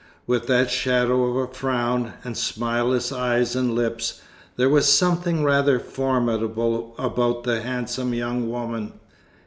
With that shadow of a frown, and smileless eyes and lips, there was something rather formidable about the handsome young woman.